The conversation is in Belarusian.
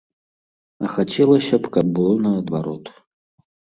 А хацелася б, каб было наадварот.